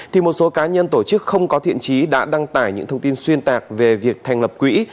thì một số cá nhân tổ chức không có thiện trí đã đăng tải những thông tin xuyên tạc về việc thành lập quỹ